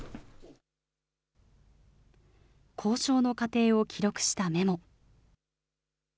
交渉の過程を記録したメモ。